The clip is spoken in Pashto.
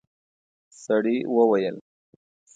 سړي وويل: